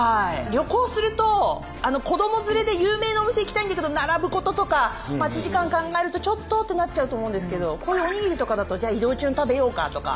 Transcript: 旅行すると子ども連れで有名なお店行きたいんだけど並ぶこととか待ち時間考えるとちょっとってなっちゃうと思うんですけどこのおにぎりとかだとじゃあ移動中に食べようかとか。